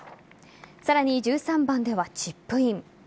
さらに１３番ではチップイン。